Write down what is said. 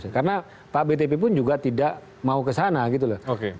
karena pak btp pun juga tidak mau ke sana